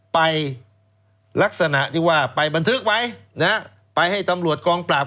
ไปลักษณะที่ว่าไปบันทึกไว้นะฮะไปให้ตำรวจกองปราบ